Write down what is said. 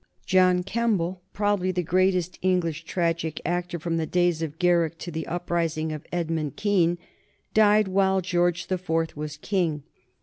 John Kemble, probably the greatest English tragic actor from the days of Garrick to the uprising of Edmund Kean, died while George the Fourth was King.